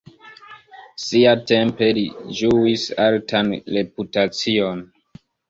Siatempe li ĝuis altan reputacion.